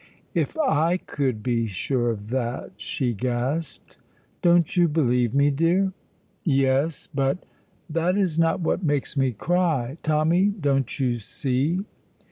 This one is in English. "If I could be sure of that!" she gasped. "Don't you believe me, dear?" "Yes, but that is not what makes me cry. Tommy, don't you see?"